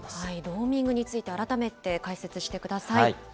ローミングについて、改めて解説してください。